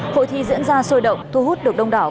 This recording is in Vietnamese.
hội thi diễn ra sôi động thu hút được đông đảo